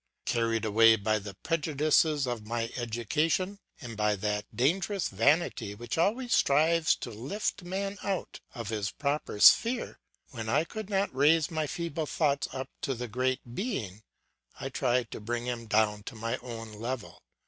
Carried away by the prejudices of my education, and by that dangerous vanity which always strives to lift man out of his proper sphere, when I could not raise my feeble thoughts up to the great Being, I tried to bring him down to my own level.